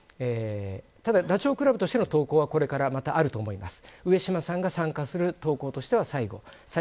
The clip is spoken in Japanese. ただ、ダチョウ倶楽部としての投稿はこれからまたあると思います。